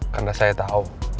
karena saya tau